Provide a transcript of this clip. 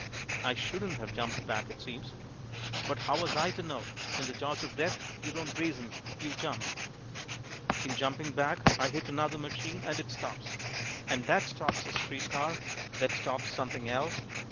I shouldn't have jumped back it seems. But how was I to know? In the jaws of death you don't reason, you jump. In jumping back I hit another machine and it stops. And that stops a street car. That stops something else.